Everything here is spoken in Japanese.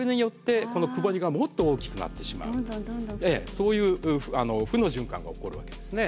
そういう負の循環が起こるわけですね。